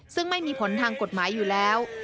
ซึ่งไม่มีผลทางกฎหมายอยู่แล้ว